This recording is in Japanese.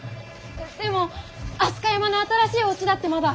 でも飛鳥山の新しいおうちだってまだ。